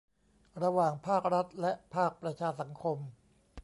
ระหว่างภาครัฐและภาคประชาสังคม